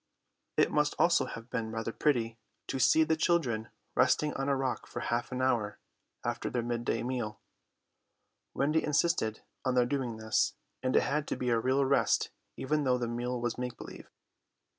It must also have been rather pretty to see the children resting on a rock for half an hour after their mid day meal. Wendy insisted on their doing this, and it had to be a real rest even though the meal was make believe.